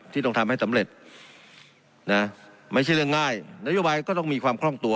ต้องทำให้สำเร็จนะไม่ใช่เรื่องง่ายนโยบายก็ต้องมีความคล่องตัว